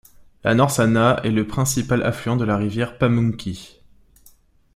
La North Anna est le principal affluent de la rivière Pamunkey.